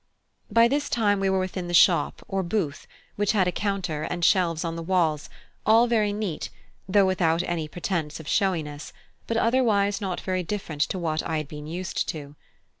By this time we were within the shop or booth, which had a counter, and shelves on the walls, all very neat, though without any pretence of showiness, but otherwise not very different to what I had been used to.